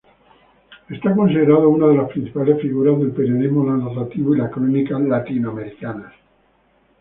Es considerado una de las principales figuras del periodismo narrativo y la crónica latinoamericanas.